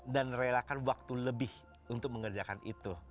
relakan waktu lebih untuk mengerjakan itu